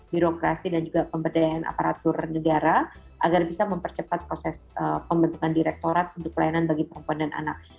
birokrasi dan juga pemberdayaan aparatur negara agar bisa mempercepat proses pembentukan direktorat untuk pelayanan bagi perempuan dan anak